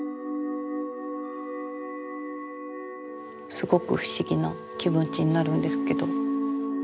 すごく不思議な気持ちになるんですけど。